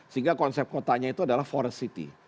sehingga konsep kotanya itu adalah forest city